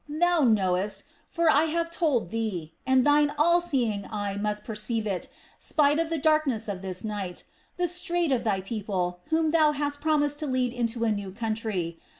Thou knowest for I have told Thee, and Thine all seeing eye must perceive it, spite of the darkness of this night the strait of Thy people, whom Thou hast promised to lead into a new country.